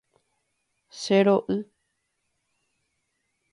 Chero'y.